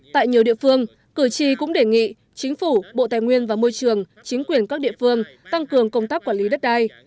tại nhiều địa phương cử tri cũng đề nghị chính phủ bộ tài nguyên và môi trường chính quyền các địa phương tăng cường công tác quản lý đất đai